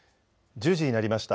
１０時になりました。